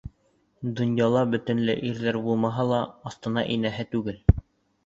Донъяла бөтөнләй ирҙәр булмаһа ла, аҫтына инәһе түгел.